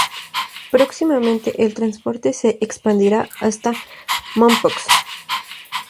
Próximamente el transporte se expandirá hasta Mompox.